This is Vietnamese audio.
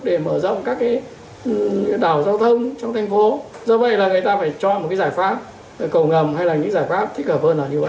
để mở rộng các cái đảo giao thông trong thành phố do vậy là người ta phải cho một cái giải pháp cầu ngầm hay là những giải pháp thích hợp hơn là như vậy